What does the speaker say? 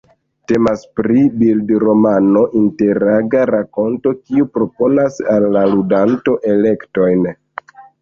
Temas pri bildromano, interaga rakonto kiu proponas al la ludanto elektojn.